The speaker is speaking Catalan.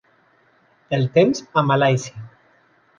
El temps a Malàisia